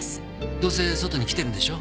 どうせ外に来てるんでしょ？